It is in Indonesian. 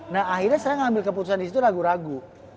nah akhirnya saya ngambil keputusan disitu ragu ragu